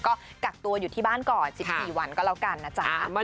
ก็กักตัวอยู่ที่บ้านก่อน๑๔วันก็แล้วกันนะจ๊ะ